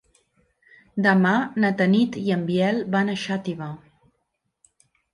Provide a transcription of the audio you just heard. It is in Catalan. Demà na Tanit i en Biel van a Xàtiva.